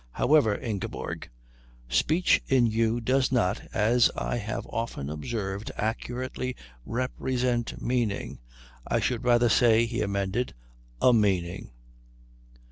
However, Ingeborg, speech in you does not, as I have often observed, accurately represent meaning. I should rather say," he amended, "a meaning."